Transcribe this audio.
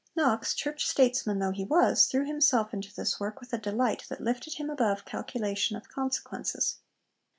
Knox, church statesman though he was, threw himself into this work with a delight that lifted him above calculation of consequences.